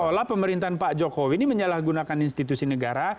untuk pemerintahan pak jokowi ini menyalahgunakan institusi negara